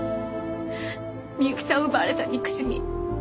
深雪さんを奪われた憎しみ。